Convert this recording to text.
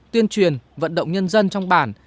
tuyên truyền vận động nhân dân trong bản